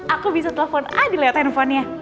aku bisa telepon aja diliat handphone nya